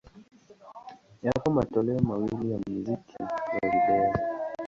Yapo matoleo mawili ya muziki wa video.